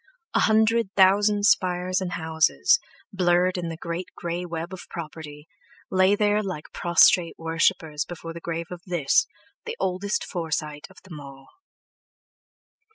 A hundred thousand spires and houses, blurred in the great grey web of property, lay there like prostrate worshippers before the grave of this, the oldest Forsyte of them all.